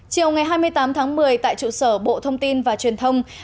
chiều ngày hai mươi tám tháng một mươi tại trụ sở bộ thông tin và truyền thông